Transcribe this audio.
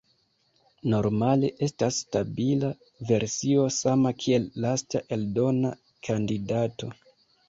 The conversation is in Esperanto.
Normale estas stabila versio sama kiel lasta eldona kandidato.